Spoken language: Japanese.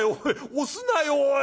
押すなよおい。